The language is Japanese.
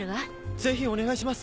ぜひお願いします！